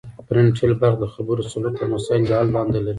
فرنټل برخه د خبرو سلوک او مسایلو د حل دنده لري